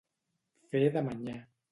Fer de manyà.